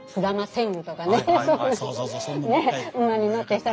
そうそう。